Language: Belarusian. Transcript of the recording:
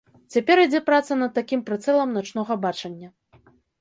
Цяпер ідзе праца над такім прыцэлам начнога бачання.